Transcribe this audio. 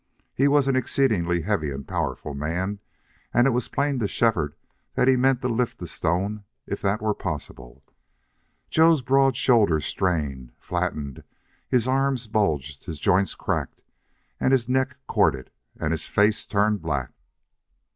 He was an exceedingly heavy and powerful man, and it was plain to Shefford that he meant to lift the stone if that were possible. Joe's broad shoulders strained, flattened; his arms bulged, his joints cracked, his neck corded, and his face turned black.